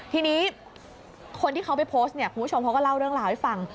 ทีนี้คนที่เขาไปโพสต์เนี่ยคุณผู้ชมเขาก็เล่าเรื่องราวให้ฟัง